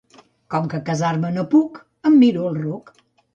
Com que casar-me no puc, em miro el ruc.